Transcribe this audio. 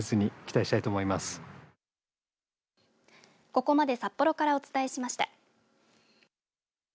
ここまで札幌からお伝えしました。